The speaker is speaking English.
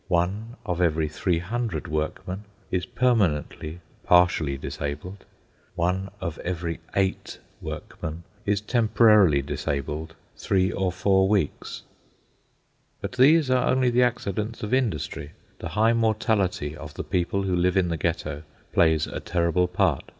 1 of every 300 workmen is permanently partially disabled. 1 of every 8 workmen is temporarily disabled 3 or 4 weeks. But these are only the accidents of industry. The high mortality of the people who live in the Ghetto plays a terrible part.